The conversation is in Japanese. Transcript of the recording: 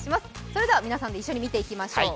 それでは皆さんで一緒に見ていきましょう。